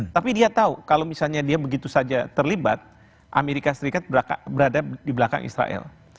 tapi dia tahu kalau misalnya dia begitu saja terlibat amerika serikat berada di belakang israel